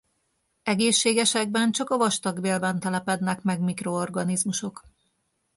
Egészségesekben csak a vastagbélben telepednek meg mikroorganizmusok.